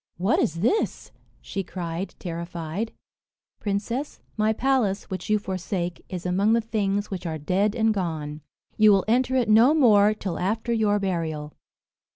"What is this?" she cried, terrified. "Princess, my palace, which you forsake, is among the things which are dead and gone. You will enter it no more till after your burial."